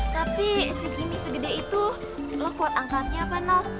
tapi segini segede itu lo kuat angkatnya apa no